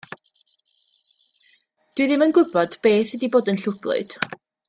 Dw i ddim yn gwybod beth ydi bod yn llwglyd.